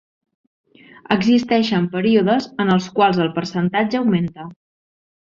Existeixen períodes en els quals el percentatge augmenta.